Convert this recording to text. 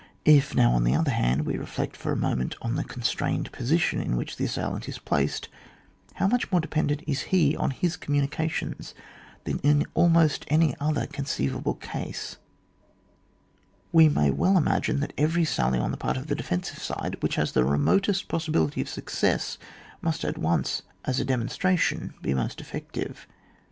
If now, on the other hand, we reflect for a moment on the constrained position in which the assailant is placed, how much more de pendent he is on his communications than in almost any other conceivable case, we may well imagine that every sally on the part of the defensive side which has the remotest possibility of success must at once as a demonstration be most effective.